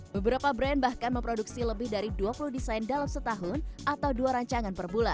beberapa brand bahkan memproduksi lebih dari dua puluh desain dalam setahun atau dua rancangan per bulan